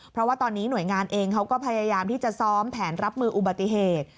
เพราะว่าตอนนี้หน่วยงานเองเขาก็พยายามที่จะซ้อมแผนรับมืออุบัติเหตุ